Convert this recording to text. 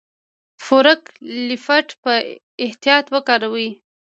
فورک لیفټ په احتیاط وکاروئ.